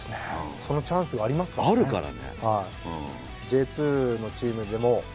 そのチャンスがありますからあるからね。